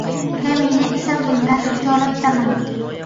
Kamina esa bundan hijolatdaman.